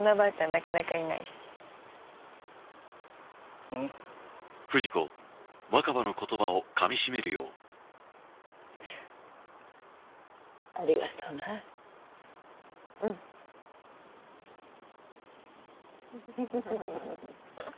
なかなかいないしうんありがとなうんふふふ